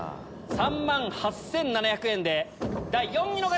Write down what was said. ３万８７００円で第４位の方！